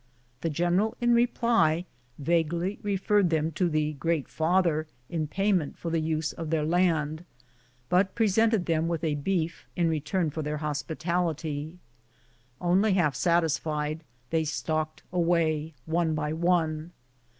The general in reply vaguely referred them to the Great Father in payment for the use of their land, but pre sented them with a beef in return for their hospitality. 64 BOOTS AND SADDLES. Only half satisfied, they stalked away one by one.